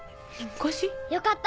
よかった。